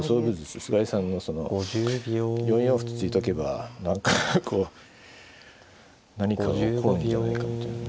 菅井さんのその４四歩と突いとけば何かこう何かが起こるんじゃないかっていうね。